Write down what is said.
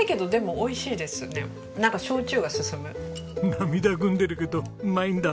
涙ぐんでるけどうまいんだ。